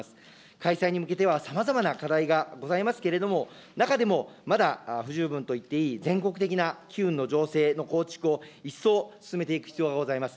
開催に向けてはさまざまな課題がございますけれども、中でもまだ不十分といっていい、全国的な機運の醸成の構築を、一層進めていく必要がございます。